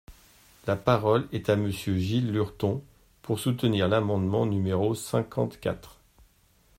La parole est à Monsieur Gilles Lurton, pour soutenir l’amendement numéro cinquante-quatre.